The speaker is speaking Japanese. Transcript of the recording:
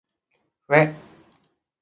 ふぇ